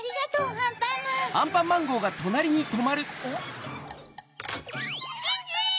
アンアン！